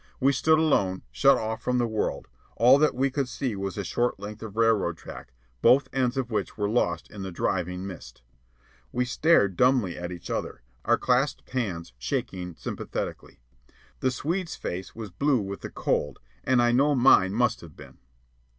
We stood alone, shut off from the world; all that we could see was a short length of railroad track, both ends of which were lost in the driving mist. We stared dumbly at each other, our clasped hands shaking sympathetically. The Swede's face was blue with the cold, and I know mine must have been.